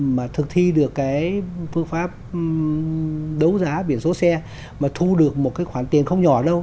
mà thực thi được cái phương pháp đấu giá biển số xe mà thu được một cái khoản tiền không nhỏ đâu